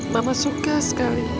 mama suka sekali